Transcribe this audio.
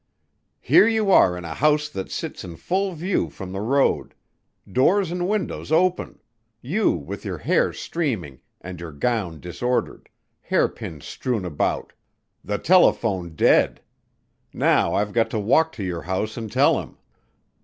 "Here you are in a house that sits in full view from the road: doors and windows open: you with your hair streaming and your gown disordered; hairpins strewn about: the telephone dead. Now, I've got to walk to your house and tell him."